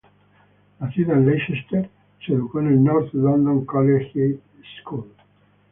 Nacida en Leicester, se educó en la North London Collegiate School.